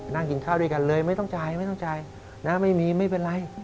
นั่งกินข้าวด้วยกันเลยไม่ต้องจ่ายไม่ต้องจ่ายนะไม่มีไม่เป็นไร